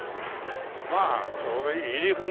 まあちょうどいい入船。